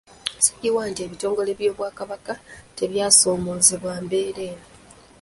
Sikiwa nti ebitongole by'Obwakabaka tebyasoomoozebwa mbeera eno.